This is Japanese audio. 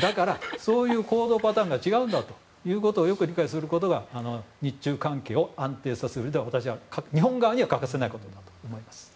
だから、行動パターンが違うということをよく理解することが日中関係を安定させるために、日本側に欠かせないことだと思います。